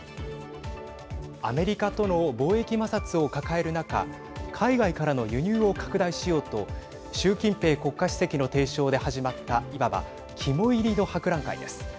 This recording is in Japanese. アメリカとの貿易摩擦を抱える中海外からの輸入を拡大しようと習近平国家主席の提唱で始まったいわば、肝煎りの博覧会です。